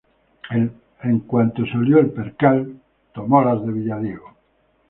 En cuanto se olió el percal, tomó las de Villadiego